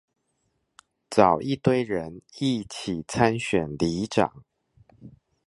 找一堆人一起參選里長